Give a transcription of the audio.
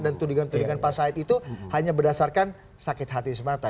dan tudingan dudingan pasait itu hanya berdasarkan sakit hati semata